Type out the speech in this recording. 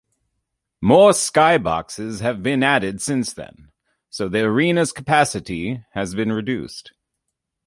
More skyboxes have been added since then, so the arena's capacity has been reduced.